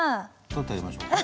取ってあげましょうか？